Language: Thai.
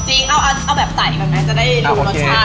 เอาแบบใสก่อนนะจะได้รู้รสชาติ